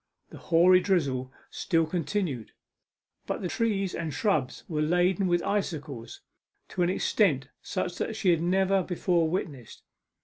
The hoary drizzle still continued; but the trees and shrubs were laden with icicles to an extent such as she had never before witnessed.